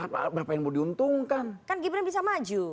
pak prabowo diuntungkan kan gibran bisa maju